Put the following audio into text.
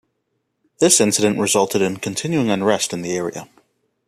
This incident resulted in continuing unrest in the area.